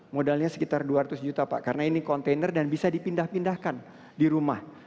modalnya sekitar dua ratus juta pak karena ini kontainer dan bisa dipindah pindahkan di rumah